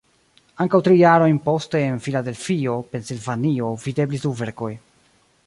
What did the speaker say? Ankaŭ tri jarojn poste en Filadelfio (Pensilvanio) videblis du verkoj.